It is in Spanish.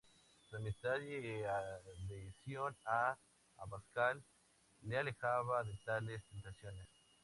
Su amistad y adhesión a Abascal, le alejaba de tales tentaciones.